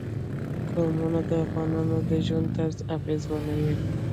قومونه د افغانانو د ژوند طرز اغېزمنوي.